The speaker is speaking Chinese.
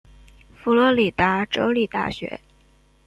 佛罗里达州立大学。